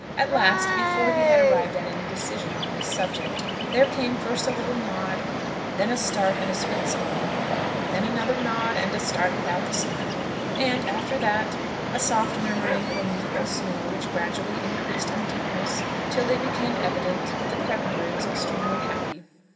At last, before he had arrived at any decision on this subject, there came first a little nod, then a start and a sweet smile, then another nod and a start without the smile, and, after that, a soft murmuring of a musical snore, which gradually increased in deepness till it became evident that the Prebendary was extremely happy.